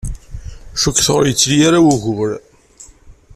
Cukkteɣ ur yettili ara wugur.